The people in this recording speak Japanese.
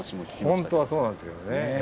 本当はそうなんですよね